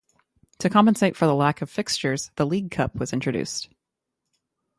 To compensate for the lack of fixtures, the League Cup was introduced.